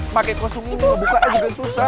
pake kostum lo buka aja kan susah